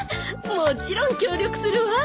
もちろん協力するわ。